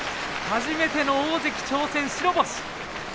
初めての大関挑戦、白星。